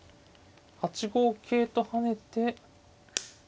８五桂と跳ねて。